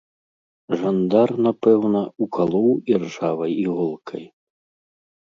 Жандар, напэўна, укалоў іржавай іголкай.